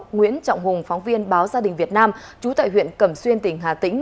nguyễn trọng hùng phóng viên báo gia đình việt nam trú tại huyện cẩm xuyên tỉnh hà tĩnh